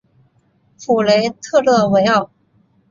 普雷特勒维尔。